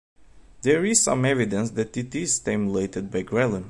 There is some evidence that it is stimulated by ghrelin.